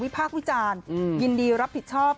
มิพากค์หุ้นจ่านยินดีรับผิดชอบ